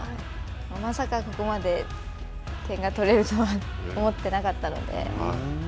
まさかここまで点が取れるとは思ってなかったので。